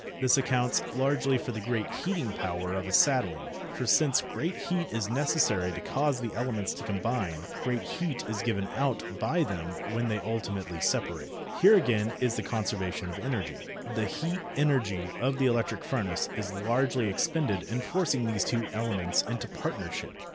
This accounts largely for the great heating power of acetylene, for since great heat is necessary to cause the elements to combine great heat is given out by them when they ultimately separate. Here again is the conservation of energy. The heat energy of the electric furnace is largely expended in forcing these two elements into partnership.